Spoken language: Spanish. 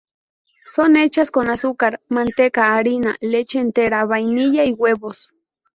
Son hechas con azúcar, manteca, harina, leche entera, vainilla, y huevos.